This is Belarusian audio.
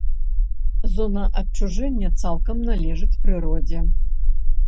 Зона адчужэння цалкам належыць прыродзе.